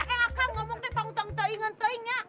eh akang lo mau keteng teng taingan taingnya